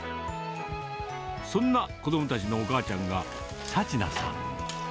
そんな子どもたちのお母ちゃんが、幸奈さん。